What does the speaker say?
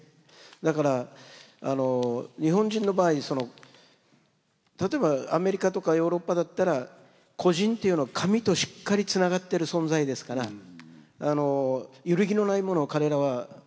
だから日本人の場合その例えばアメリカとかヨーロッパだったら個人っていうのは神としっかりつながってる存在ですから揺るぎのないものを彼らは持ってる心の中に。